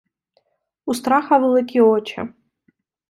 Устраха великі очи.